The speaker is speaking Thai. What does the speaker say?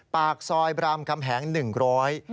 ปากซอยบรามคำแหงหนึ่งร้อย